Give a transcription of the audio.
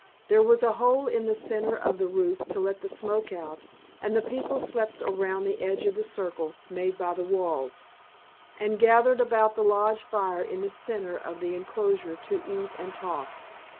There was a hole in the centre of the roof to let the smoke out, and the people slept around the edge of the circle made by the walls, and gathered about the lodge fire in the centre of the enclosure to eat and talk.